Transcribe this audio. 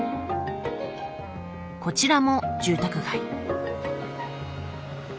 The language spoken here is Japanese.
こちらも住宅街。